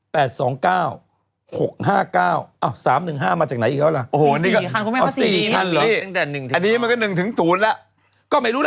แปดสองเก้าหกห้าเก้าอ้าวสามหนึ่งห้ามาจากไหนอีกแล้วล่ะโอ้โหนี่ก็อ๋อสี่คันหรอ